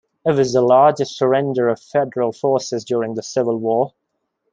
It was the largest surrender of Federal forces during the Civil War.